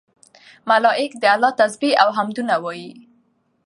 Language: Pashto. ملائک د الله تسبيح او حمدونه وايي